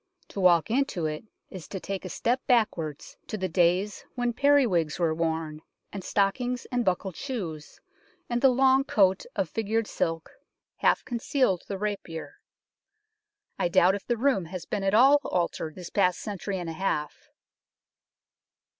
To walk into it is to take a step backwards to the days when periwigs were worn, and stockings and buckled shoes, and the long coat of figured silk half concealed the rapier. I doubt if the room has been at all altered this past century and a half.